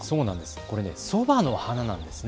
これ、そばの花なんです。